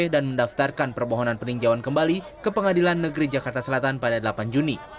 dan mendaftarkan perbohonan peninjauan kembali ke pengadilan negeri jakarta selatan pada delapan juni